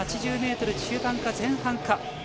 ８０ｍ中盤か前半か。